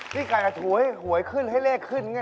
พี่ไก่ถูให้หวยขึ้นให้เลขขึ้นไง